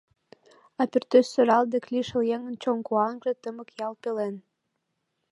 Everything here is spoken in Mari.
А пӱртӱс сӧрал дек лишыл еҥын Чон куанже тымык ял пелен.